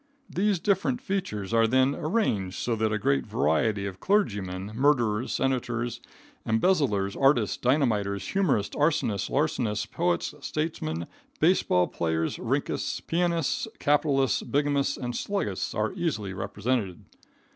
These different features are then arranged so that a great variety of clergymen, murderers, senators, embezzlers, artists, dynamiters, humorists, arsonists, larcenists, poets, statesmen, base ball players, rinkists, pianists, capitalists, bigamists and sluggists are easily represented.